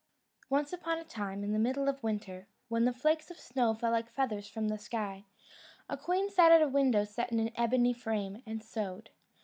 Once upon a time, in the middle of winter, when the flakes of snow fell like feathers from the sky, a queen sat at a window set in an ebony frame, and sewed.